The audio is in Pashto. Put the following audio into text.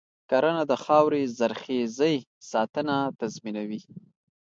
کرنه د خاورې د زرخیزۍ ساتنه تضمینوي.